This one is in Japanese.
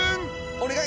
お願い！